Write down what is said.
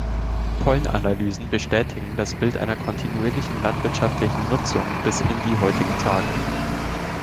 Pollenanalysen bestätigen das Bild einer kontinuierlichen landwirtschaftlichen Nutzung bis in die heutigen Tage.